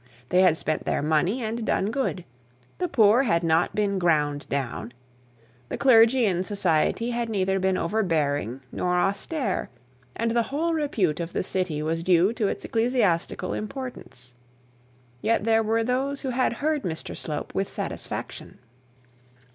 They had spent their money and done good; the poor had not been ground down; the clergy in society had neither been overbearing nor austere; and the whole repute of the city was due to its ecclesiastical importance. Yet there were those who had heard Mr Slope with satisfaction.